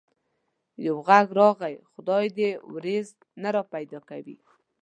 يو غږ راغی: خدای دي وريځ نه را پيدا کوي.